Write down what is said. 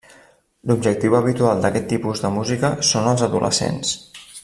L'objectiu habitual d'aquest tipus de música són els adolescents.